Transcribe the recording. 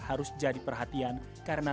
harus jadi perhatian karena